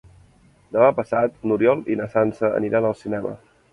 Demà passat n'Oriol i na Sança aniran al cinema.